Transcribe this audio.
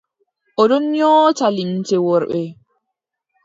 O ɗon nyoota limce worɓe.